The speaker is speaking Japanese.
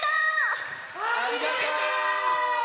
ありがとう！